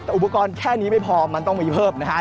แต่อุปกรณ์แค่นี้ไม่พอมันต้องมีเพิ่มนะฮะ